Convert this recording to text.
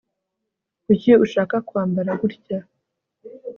kuki ushaka kwambara gutya